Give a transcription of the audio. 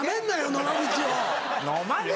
野間口を。